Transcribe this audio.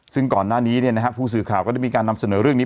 ซึ่งก่อนหน้านี้ผู้สื่อข่าวก็ได้มีการนำเสนอเรื่องนี้